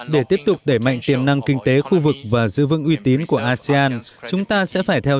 để tiếp tục đẩy mạnh tiềm năng kinh tế khu vực và giữ vững uy tín của asean chúng ta sẽ phải theo